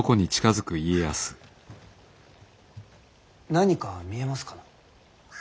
何か見えますかな？